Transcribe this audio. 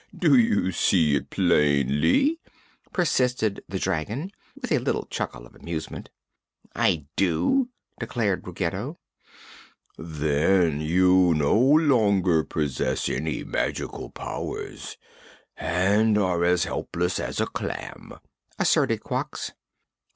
"Do you see it plainly?" persisted the dragon, with a little chuckle of amusement. "I do," declared Ruggedo. "Then you no longer possess any magical powers, and are as helpless as a clam," asserted Quox.